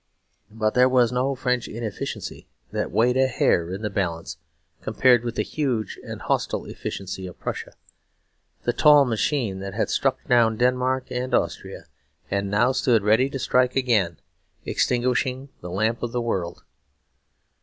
But there was no French inefficiency that weighed a hair in the balance compared with the huge and hostile efficiency of Prussia; the tall machine that had struck down Denmark and Austria, and now stood ready to strike again, extinguishing the lamp of the world.